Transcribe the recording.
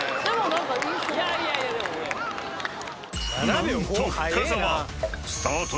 ［何と深澤］